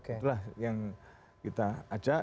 itulah yang kita ajak